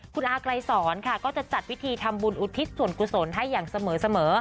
คุณอาไกลสอนค่ะก็จะจัดพิธีทำบุญอุทิศส่วนกุศลให้อย่างเสมอ